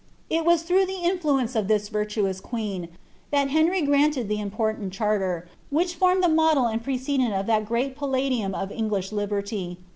It was through the influence of this virtuous queen that Hcnrj grantetl iIlc important charter which fonneil the model and precedent of that great palladimn of Eogliab lib erty.